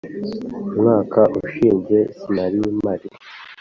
umwaka ushize sinarimpari.